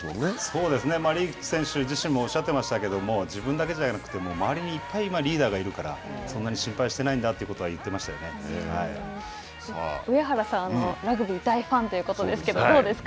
そうですね、リーチ選手自身もおっしゃっていましたけど、自分だけじゃなくて、回りにいっぱい今リーダーがいるからそんなに心配はしていないんだと言っていまし上原さんは、ラグビー大ファンということですけれども、どうですか。